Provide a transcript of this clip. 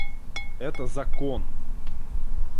Это закон.